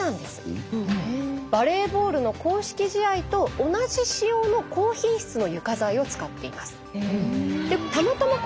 バレーボールの公式試合と同じ仕様の高品質の床材を使っています。